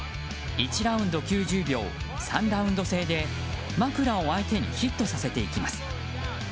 １ラウンド９０秒３ラウンド制で枕を相手にヒットさせていきます。